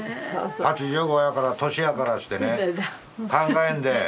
８５やから年やからつってね考えんで。